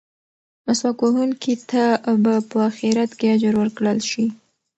مسواک وهونکي ته به په اخرت کې اجر ورکړل شي.